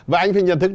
và anh phải nhận thức